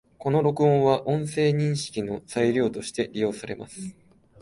この録音は、音声認識の材料として利用されます